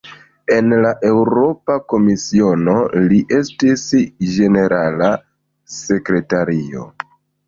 En la Eŭropa Komisiono, li estis "ĝenerala sekretario".